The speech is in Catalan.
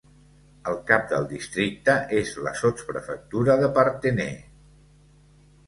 El cap del districte és la sotsprefectura de Parthenay.